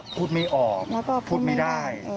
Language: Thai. พูดไม่ออกพูดไม่ได้